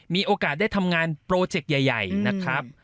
มีโอกาสได้ทำงานโปรเจกต์ใหญ่นะครับ